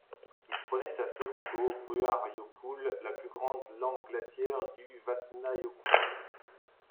Il prenait sa source au Brúarjökull, la plus grande langue glaciaire du Vatnajökull.